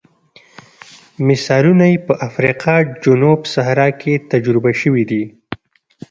مثالونه یې په افریقا جنوب صحرا کې تجربه شوي دي.